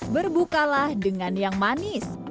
berbukalah dengan yang manis